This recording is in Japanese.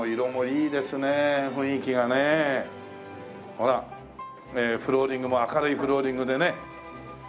ほらフローリングも明るいフローリングでね。